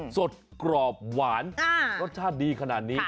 กรอบหวานรสชาติดีขนาดนี้